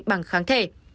bằng kháng thể